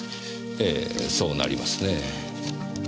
ええそうなりますね。